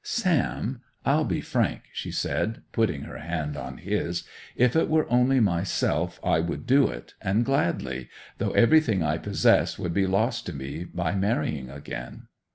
'Sam, I'll be frank,' she said, putting her hand on his. 'If it were only myself I would do it, and gladly, though everything I possess would be lost to me by marrying again.